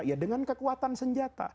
ya dengan kekuatan senjata